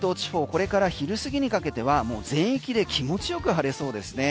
これから昼過ぎにかけてはもう全域で気持ちよく晴れそうですね。